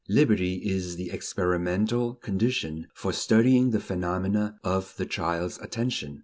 Liberty is the experimental condition for studying the phenomena of the child's attention.